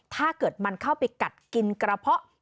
ถ้าเกิดมันเข้าไปกัดกินกระเพาะ